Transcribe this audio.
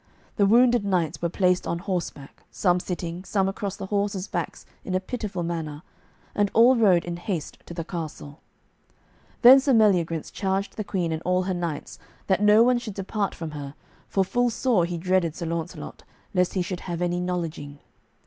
The wounded knights were placed on horseback, some sitting, some across the horses' backs in a pitiful manner, and all rode in haste to the castle. Then Sir Meliagrance charged the Queen and all her knights that no one should depart from her, for full sore he dreaded Sir Launcelot, lest he should have any knowledging.